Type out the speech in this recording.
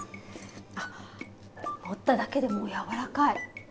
あっ持っただけでもう柔らかい！